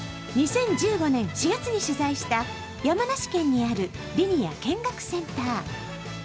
２０１５年４月に取材した山梨県にあるリニア見学センター。